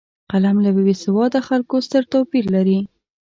قلم له بېسواده خلکو ستر توپیر لري